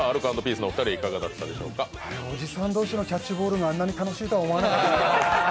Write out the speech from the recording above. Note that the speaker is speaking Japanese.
おじさん同士のキャッチボールがあんなに楽しいとは思わなかった。